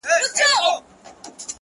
ښه ده چي وړه .! وړه .!وړه نه ده.!